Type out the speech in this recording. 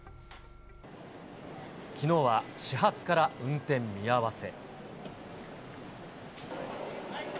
きのうは始発から運転見合わせ。